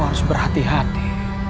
aku harus berhati hati